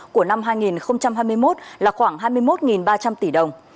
của năm hai nghìn hai mươi một là khoảng hai mươi một ba trăm linh tỷ đồng